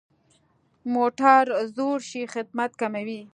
موټر زوړ شي، خدمت کموي.